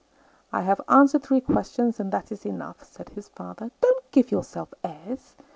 "I have answered three questions, and that is enough," Said his father. "Don't give yourself airs!